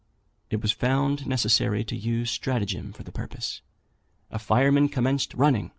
It was found necessary to use stratagem for the purpose. A fireman commenced running.